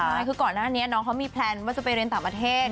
ใช่คือก่อนหน้านี้น้องเขามีแพลนว่าจะไปเรียนต่างประเทศ